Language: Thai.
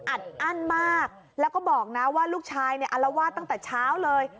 อัดอั้นมากแล้วก็บอกนะว่าลูกชายเนี่ยอารวาสตั้งแต่เช้าเลย